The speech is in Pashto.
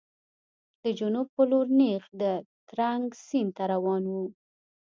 د جنوب په لور نېغ د ترنک سیند ته روان و.